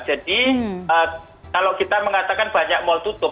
jadi kalau kita mengatakan banyak mall tutup